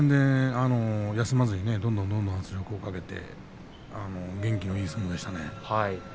休まずどんどん圧力をかけて元気のいい相撲でしたね。